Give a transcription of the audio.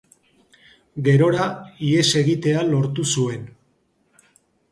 Gerora, ihes egitea lortu zuen.